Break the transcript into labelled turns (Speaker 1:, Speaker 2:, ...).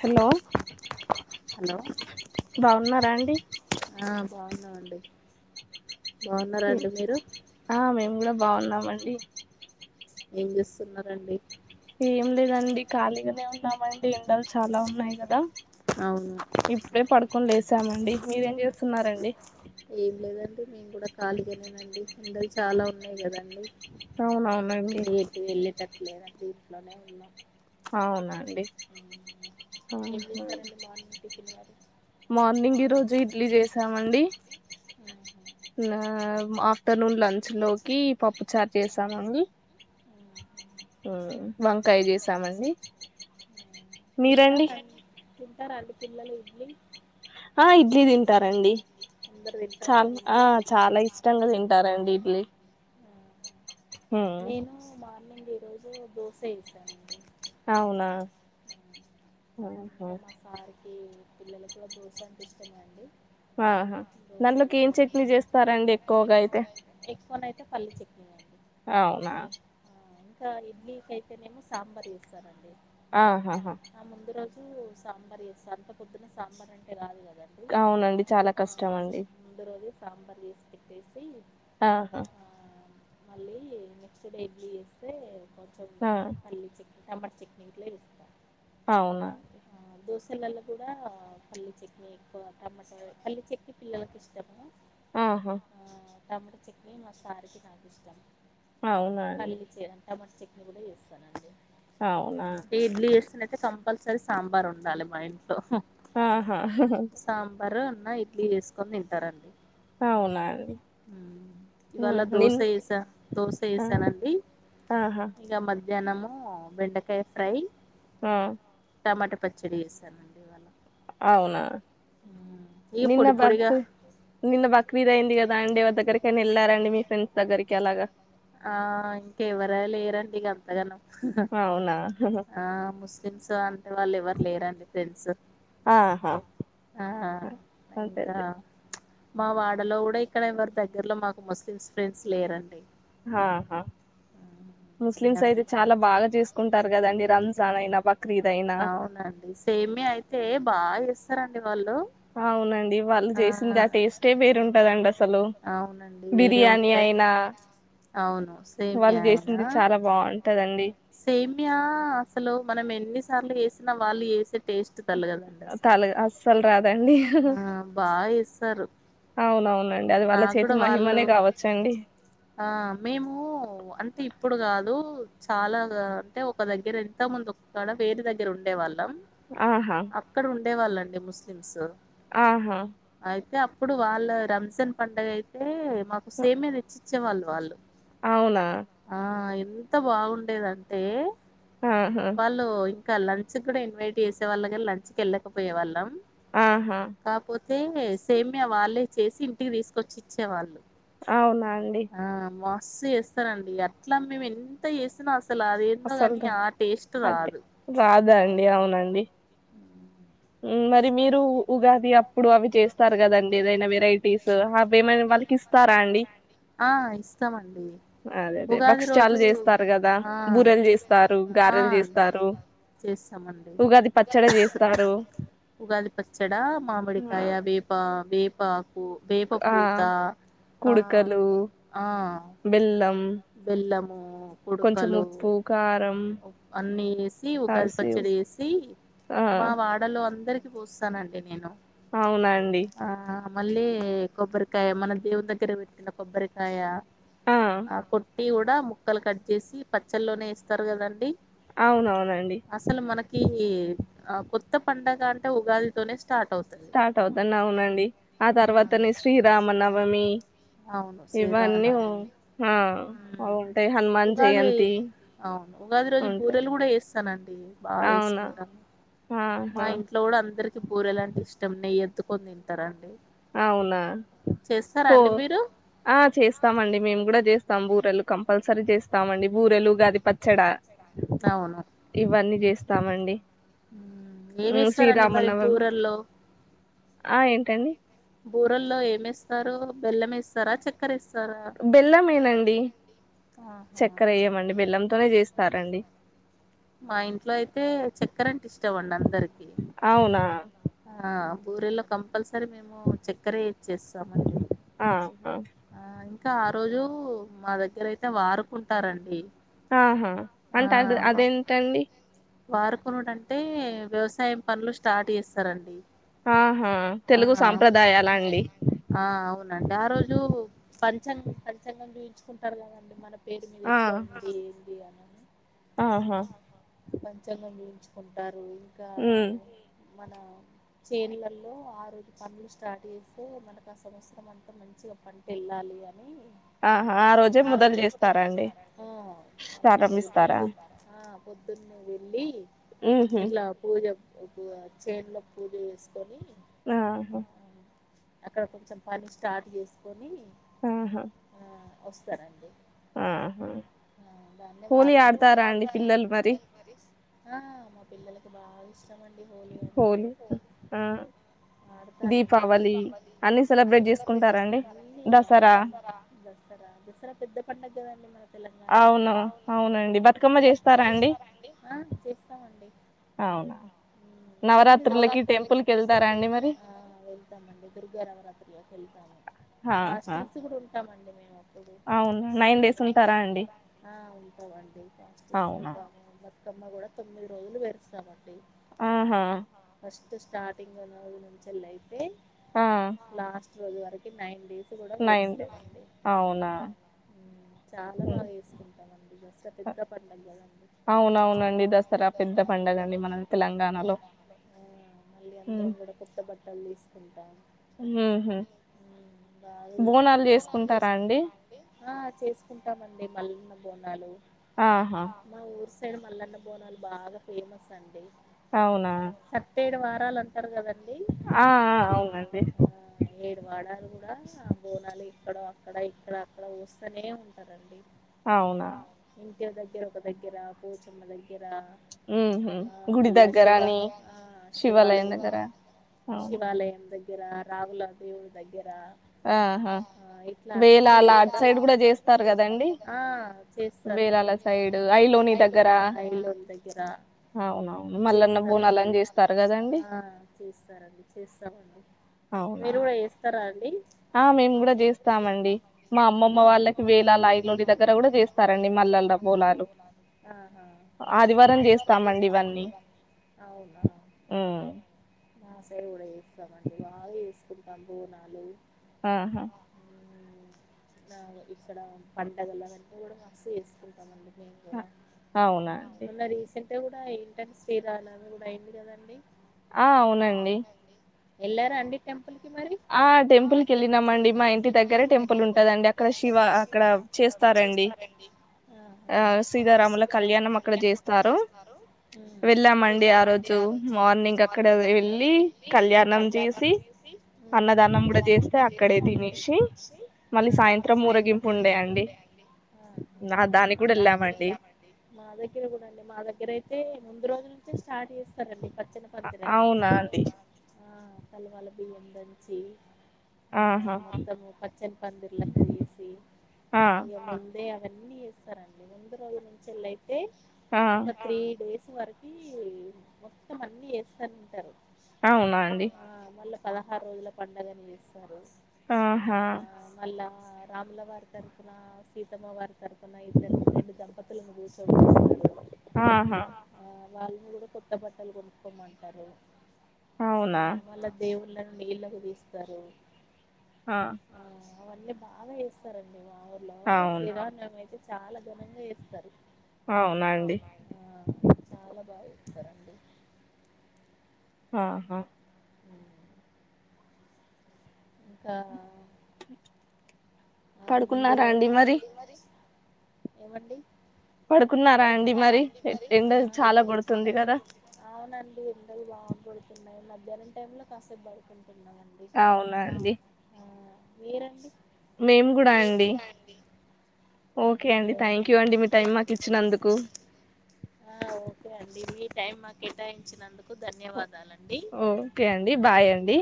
Speaker 1: hello
Speaker 2: hello
Speaker 1: బాగున్నారా అండి
Speaker 2: వాగునడి
Speaker 1: ఆ మేం కూడా బాగున్నామండి
Speaker 2: ఏం చేస్తున్నారంండి
Speaker 1: ఏం లేదండి ఖాళీగానే ఉన్నామండి ఎండలు చాలా ఉన్నాయి కదా ఇప్పుడే పడుకొని లెస్ వచ్చామండి మీరేం చేస్తున్నారంండి
Speaker 2: ఏం లేదండి మేము కూడా ఖాళీగానేనండి ఎండలు చాలా ఉన్నాయి కదండి
Speaker 1: అవునవునండి
Speaker 2: వీట్లోనే ఉన్నా
Speaker 1: అవునా మార్నింగ్ ఈ రోజు ఇడ్లీ చేసామండి ఆఫ్టర్నూన్ లంచ్ లోకి పప్పు చాట్ చేసామం వంకాయ చేసామండి
Speaker 2: ఉంటా తింటారండి పిల్లలు ఇడ్లి ఆ ఇడ్లీ తింటారండి అందరు తింటారండి ఇంట్లో చాలా ఇష్టంగా తింటారండి నేను మా మేము ఈరోజు దోస వేసామండి
Speaker 1: అవునా ఉహు
Speaker 2: పిల్లలకు కూడా దోస అంటే ఇష్టమే అండి ఎ చట్నీ వేస్తారండీ ఎక్కువగా, ఎక్కువగా చ పల్లి చట్ని
Speaker 1: అవునా
Speaker 2: ఇంకా ఇడ్లీకి అయితేనేమో సాంబార్ వేస్తారండీ
Speaker 1: ఆహా
Speaker 2: సాంబార్ చేస్తా అంత పొద్దున్న సాంబార్ అంటే రాదు కదా
Speaker 1: అవునండి చాలా కష్టం అండి
Speaker 2: సాంబార్ వేసి పెట్టేసి
Speaker 1: ఆహా
Speaker 2: మళ్ళీ నెక్స్ట్ డే కీ చేస్తే కొంచం పల్లి చె సాంబార్ చట్టిని లె వేస్తారు
Speaker 1: అవునా
Speaker 2: దోసలలో కూడా పల్లి చట్నీ ఎక్కువ వేస్తారు పల్లి చట్నీ పిల్లలకి ఇష్టము
Speaker 1: ఆహా
Speaker 2: తమరి చట్నీ మా సారికి నాకు ఇష్టం
Speaker 1: అవునా అండి
Speaker 2: టమోటో చెట్నీ కూడా ఎస్తారండి ఈ ఇడ్లీస్తున కంపలసరి సాబార్ ఉండాలి మ సాబ మరో అన్నా ఇడ్లీ చేసుకొని తింటారండి ఇవాళ దోశ వేసా దోశ వేసానండి ఇక మధ్య అనము బెండకాయ ఫ్రై
Speaker 1: ఆ
Speaker 2: టమోటా పచ్చడి చేసానండి ఇవాళ
Speaker 1: అవునా నిన్న బక్ నిన్న బక్రీద్ అయింది కదా అండీ వాళ్ల దగ్గరకు ఎప్పుడన్నా వెళ్లారండి మీ ఫ్రెండ్స్ దగ్గరికి అలాగా
Speaker 2: ఆ ఇంకెవర లేరండి ఇక అంతగాను ఆ ముస్లిమ్స్ అంటే వాళ్ళు ఎవరు లేరండి ఫ్రెండ్స్ ఇంకా మా వాడలో కూడా ఇక్కడ ఎవరు దగ్గరలో మాకు ముస్లిమ్స్ ఫ్రెండ్స్ లేరండి
Speaker 1: ఆహా ముస్లిమ్స్ అయితే చాలా బాగా చేసుకుంట ారు కదండి రంజాన్ అయిన పక్క
Speaker 2: అవునండి సేమే అయితే బాగాస్తు రండి
Speaker 1: అవునండి వాళ్ళు చేసింది ఆ టేస్టే వేరుంటదండి అసలు బిర్యానీ అయినా వాళ్ళు చేసింది చాలా బాగుంటదండి
Speaker 2: సేమ్యా అసలు మనం ఎన్నిసార్లు వ నా వాళ్ాలి టేస్ట్ తల్లగదండి అసలు ఆ బాగా ఇస్తారు నా కూడా వాళ్ళు ఆ మేము అంటే ఇప్పుడు కాదు చాలా అంటే ఒక దగ్గర ఎంత ముందు ఒకడ వేర దగ్గర ఉండే వాళ్ళం
Speaker 1: ఆహా
Speaker 2: ఉండే వాళ్ళండి ముస్లిమ్స్
Speaker 1: ఆహా
Speaker 2: ఇప్పుడు వాళ్ళ రంజన్ పండగ అయితే మాకు సేమమెచ్చ వే వాళ్ళు వాళ్ళు
Speaker 1: అవునా
Speaker 2: ఎంత బాగుండేదింటే పళ్ళయి ఇంకా లంచ్ కూడా ఇన్వైట్ చేసే వాళ్ళం కానీ లంచ్ క వెళ్ళకపోయే వాళ్ళం
Speaker 1: ఆహా
Speaker 2: అదతే సేమ్య వాళ్ళే చేసి ఇటికి తీసుకొచ్చ ఇచ్చేవాళ్ళు
Speaker 1: అవునా అండి
Speaker 2: చేస్తారంండి అట్లా మేము ఎంత చేసినా
Speaker 1: అసలు రా అే రాదా అండి అవునండి మరి మీరు ఉగాది అ ఇప్పుడు అవి చేస్తారు కదండి ఏదైనా వెరైటీస్ ఏేమైన వాళ్ళకి ఇస్తారా అండి
Speaker 2: ఆ ఇస్తామండి ఉగాది రోజు ఆ చేస్తామండి ఉగాది పచ్చడా మామిడికాయ వేప వే బ వేపపూత ఆ
Speaker 1: బెల్లం
Speaker 2: బెల్లము కుడకలు అన్ని వేసి ఉగాది పచ్చడి వేసి మా వాడలో అందరికి పూస్తానండి నేను
Speaker 1: అవునండి
Speaker 2: మళ్ళీ కొబ్బరికాయ మన దేవున్ దగ్గర పెట్టిన కొబ్బరికాయ ఆ కొ టీ కూడా ముక్కలు కట్ చేసి పచ్చల్లోనే ఇస్తారు కదండి
Speaker 1: అవునవునండి
Speaker 2: ఆ కొత్త పండ [inaudible]
Speaker 1: స్టార్ట్ అవుతాను అవునండి ఆ తర్వాత నే శ్రీరామనవమి ఇవన్నీ అవుంటా హనుమాన్ జయంతి ఉంటాయి
Speaker 2: [unintelligible] బాగా వేసుకుంటా మా ఇంట్లో కూడా అందరికి బూరె లాంటే ఇష్టం నెయ్య ఎత్దు ప తింటారా అండి
Speaker 1: అవునా హో ఆ చేస్తామండి మేము కూడా చేస్తాం బూరెలు కంపల్సరీ చేస్తామండి బూరెలు ఉగాది పచ్చడా ఇవన్నీ చేస్త స్తామండి శ్రీరామనవమి ఆ ఏంటండి
Speaker 2: బూరల్లో ఏమేస్తారు బెల్లం వేస్తారా చక్కర వేస్
Speaker 1: బెల్లం ఏనండి చక్కర అయ్యమండి బెల్లంతోనే చేస్త సరండి
Speaker 2: మా ఇంట్లో అయితే చక్కెర అంటే ఇష్టం అండి అందరికి ఆ బూరెలో కంపల్స సరే మేము చక్కర ఇచ్చేస్తామండి ఇంకా ఆ రోజు మా దగ్గరయితే వారుకుంటారండి
Speaker 1: ఆహా అంటే అది అదేంటండి
Speaker 2: వారుకున్ టన్టే వ్యవసాయం పనులు స్టార్ట్ చేస్త సర అండి
Speaker 1: ఆహా తెలుగు సాంప్రదాయాల అండి
Speaker 2: ఆ రోజు పంచంగ పంచంగం చూయిించుకుంటారు కదండి మన పేరు మీద ఎట్లా ఉంది ఏంటి అని పంచంగండించి కొద్దారు కా మన చేనులలో ఆ రోజు పనులు స్టార్ట్ చేస్తే మనకు ఆ సంవత్సరం అంతా మంచిగా పంట వెళ్ళాలి అని ఆహ ఆరోజు మొదల్ చేస్తారా పొద్దునే వెళ్ళి ఇట్ల పూజ ఒకే చేనుల పూజ చేసుకొని
Speaker 1: హు హ్మ్మ్
Speaker 2: అక్కడ కొంచెం పని స్టార్ట్ చేసుకొని
Speaker 1: హు హ్మ్మ్
Speaker 2: వస్తారండీ
Speaker 1: హు హ్మ్మ్
Speaker 2: దాన్న మార్ మా పిల్లలకి బాగా ఇష్టం ఇష్టమండి హోలీ అంటే ఆడతారండి మళ్ళీ దసరా దసరా పెద్ద పడుగ కదండి మన తెలంగాణలో హ చేస్తామండి హ్మ్మ్ తొమ్మిది హా వెళ్తాం అండి దుర్గా నవరాత్రులకు వెళ్తాము ఫాస్టింగ్స్ కూడా ఉంటాము
Speaker 1: అవును నైన్ డేస్ ఉంటారా
Speaker 2: ఆ ఉంటారా అండి బతుకమ్మ కూడా తొమ్మిది రోజులు పేరుస్తామండి
Speaker 1: ఆహా
Speaker 2: ఫస్ట్ స్టార్టింగ్ నది నుంచి వెళ్ళ అయితే లాస్ట్ రోజు వరకు నైన్ డేస్ కూడా పేరుస్తామండి హ్మ్మ్ చాలా బాగాసుకుంటాండి దసరా పెద్ద పండగ కద అవుం మళ్ళ అందరం కూడా కొత్త బట్టలు తీసుకుంటాం బాగా చేసుకుంటాం హా చేసుకుంటాం చేసుకుంటాం అండి మళ్ళన్న బోనాలు
Speaker 1: ఆహా
Speaker 2: మా సైడ్ మల్లన్న బోనాలు బాగా ఫేమస్ అండి
Speaker 1: అవునా
Speaker 2: చుట్టాలు అత్తరు కదా
Speaker 1: ఆ ఆ అవునుండి
Speaker 2: బోనాలు ఇక్కడ అక్కడ ఇక్కడ అక్కడ వస్తనే ఉన్ తరండి
Speaker 1: అవునా
Speaker 2: దగ్గర దగ్గర ఒక దగ్గర కూర్చుమ్మ దగ్గర
Speaker 1: ఉ గుడి దగ్గరని శివాలయం దగ్గర అవును
Speaker 2: దగ్గర రాహుల దేవుల దగ్గర
Speaker 1: ఆహా వేళలా అడ్ సైడ్ కూడా చేస్త
Speaker 2: కదాస్త దగ్గర చేస్త చేస్తారండి చేస్తామ మీరు కూడా చేస్తారా
Speaker 1: ఆ మేము కూడా చేస్తామండి మా అమ్మమ్మ వాళ్ళ వేలాలయిలోలు దగ్గర కూడా చేస్తారండి మల్లల పూలాలు ఆదివారం చేస్తామండి ఇవన్నీ
Speaker 2: మండి వాాగా వేసుకు సంభవ నాలు
Speaker 1: ఆహా
Speaker 2: ఇక్కడ పంటగల కంటే కూడా మస్తు చేసుకుంటాంండి కూడా మొన్న రీసెంట్గా కూడా అంట శ్రీరాాల అవి కూడా అయింది కదండి
Speaker 1: ఆ అవునండి
Speaker 2: ఎల్ారు అండిత్ెం
Speaker 1: ఆ టెంపుల్ క వెళ్ళినామండి మా ఇంటి దగ్గరే టెంపుల్ ఉంటదండి అక్కడ శివ
Speaker 2: శివ అక్కడ చేస్తారండి సీతారాముల కళ్యాణం అక్కడ చేస్తారు వెళ్ళామండి ఆ రోజు మార్నింగ్ అక్కడ వెళ్ళి కళ్యాణం చేసి
Speaker 1: అన్నదాన్నం కూడా చేస్తే అక్కడే తినసి మళ్ళీ సాయంత్రం మర ఉండే అండి నా దానికి కూడా వెళ్ళామండి
Speaker 2: ముంద రోజల స్టార్ తీస్తారండి పచ్చని పందిరని అవునా ఆ పలవాల బియ్యం దంచి ఆ మత్తము పచ్చని పందిర్లక్క వేసి అయ అ అవన్నీ చేస్తారండి ముందు రోజుల నుంచిళ్లై అ ఒక త్రీ డేస్ వరకి మొత్తం అన్ని వేస్తాంటారు
Speaker 1: అ అవునా అండి
Speaker 2: పదహారు రోజుల పండుగను ఇస్తారు
Speaker 1: ఆహా
Speaker 2: ఇలా రాములవారి తరుకునా సీతమ్మ వారి తరపున ఇద్దరు రెండు దంపతులను భసోవని ఇస్తారు ఆ వాళ్ళని కూడా కొత్త బట్టలు కొనుక్కోమంటారు ఆ మళ దేవుళ్ళను నీళ్ళలకు తీస్తారు ఆ అవన్నీ బాగా ఏస్ తరండి వా మా ఊర్లో శ్రీరామనవమి అయితే చాలా ఘనంగా చేస్తారు చాలా బాగా చేస్తారండి
Speaker 1: ఆహా
Speaker 2: ఇంకా
Speaker 1: పడుకున్నారా అండి మరి
Speaker 2: ఏమండి
Speaker 1: పడుకున్నారా అండి మరి ఎండది చాలా కోడుతుంది కదా
Speaker 2: ఎండలు బాగు కోడుతున్నాయి మధ్యాహ్నం టైమ్ లో కాసేపు పడుకున్న తిన్నాం అండి హూ మీరండి
Speaker 1: మేము కూడా అండి ఓకే అండి థ్యాంక్ యూ అండి మీ టైం మాకు ఇచ్చినందుకు
Speaker 2: టైమ్ మా కేటాయించినందు
Speaker 1: ఓకే అండి బాయ్ అండి